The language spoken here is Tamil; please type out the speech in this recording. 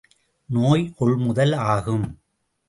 நோய் கொள்முதல் ஆகும்!